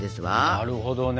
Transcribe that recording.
なるほどね。